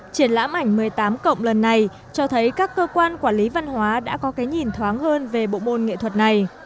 triển lãm ảnh một mươi tám cộng lần này cho thấy các cơ quan quản lý văn hóa đã có cái nhìn thoáng hơn về bộ môn nghệ thuật này